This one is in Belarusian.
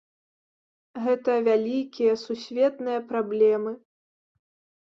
Гэта вялікія сусветныя праблемы.